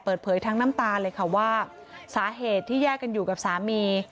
เปิดเผยทั้งน้ำตาเลยค่ะว่าสาเหตุที่แยกกันอยู่กับสามี